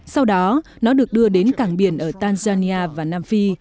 sau đó nó được đưa đến cảng biển ở tanzania và nam phi